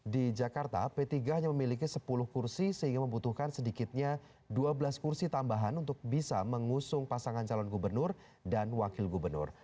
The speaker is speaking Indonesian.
di jakarta p tiga hanya memiliki sepuluh kursi sehingga membutuhkan sedikitnya dua belas kursi tambahan untuk bisa mengusung pasangan calon gubernur dan wakil gubernur